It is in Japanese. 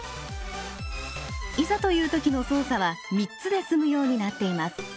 いざという時の操作は３つで済むようになっています。